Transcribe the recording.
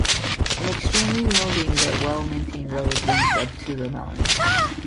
An extremely winding but well maintained road leads up the mountain.